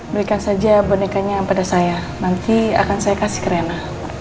berikan saja bonekanya pada saya nanti akan saya kasih kerena